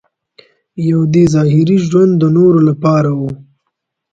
یو دې ظاهري ژوند د نورو لپاره و.